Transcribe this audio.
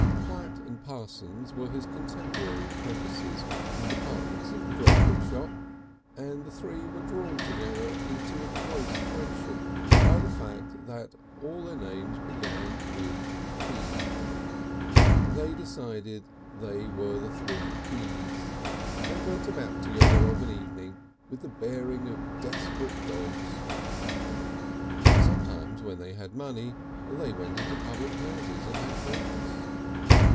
Platt and Parsons were his contemporary apprentices in departments of the drapery shop, and the three were drawn together into a close friendship by the fact that all their names began with P. They decided they were the Three Ps, and went about together of an evening with the bearing of desperate dogs. Sometimes, when they had money, they went into public houses and had drinks.